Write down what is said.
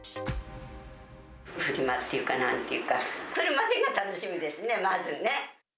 フリマっていうか、なんていうか、来るまでが楽しみですね、まずね。